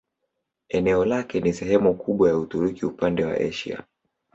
Eneo lake ni sehemu kubwa ya Uturuki upande wa Asia.